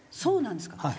そうなんですか。